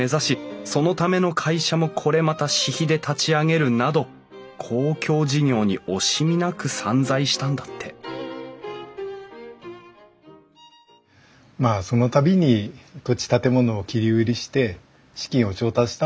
そのための会社もこれまた私費で立ち上げるなど公共事業に惜しみなく散財したんだってまあその度に土地建物を切り売りして資金を調達したんだと思います。